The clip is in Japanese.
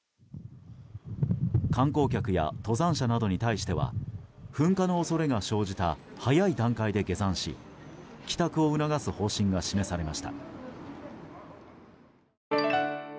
観光客や登山者などに対しては噴火の恐れが生じた早い段階で下山し帰宅を促す方針が示されました。